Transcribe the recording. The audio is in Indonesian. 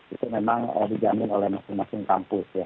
itu memang dijamin oleh masing masing kampus ya